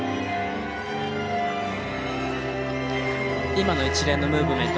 今の一連のムーブメント